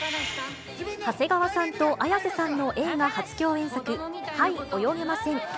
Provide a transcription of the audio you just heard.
長谷川さんと綾瀬さんの映画初共演作、はい、泳げません。